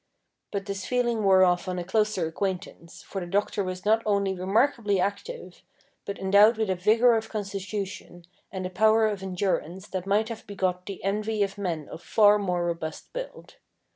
But this feeling wore off on a closer acquaintance, for the doctor was not only remarkably active, but endowed with a vigour of constitution and a power of endurance that might have begot the envy of men of far more robust build.